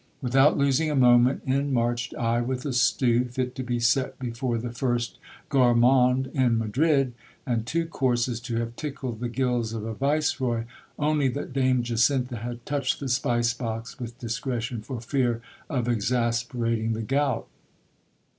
Without losing a moment, in marched I with a stew, fit to be set before the first gourmand in Madrid, and two courses, to have tickled the gib's of a viceroy, only that Dame Jacintha had touched the spice box with dis cretion, for fear of exasperating the gout.